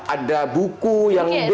ada buku yang gitu gitu